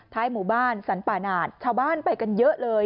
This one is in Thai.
หมู่บ้านสรรป่าหนาดชาวบ้านไปกันเยอะเลย